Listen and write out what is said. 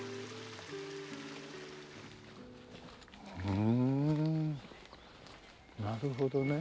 ふんなるほどね。